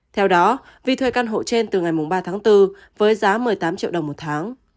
theo đó vi thuê căn hộ trên từ ngày ba tháng bốn với giá một mươi tám triệu đồng một tháng